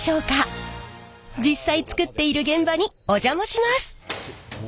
実際作っている現場にお邪魔します。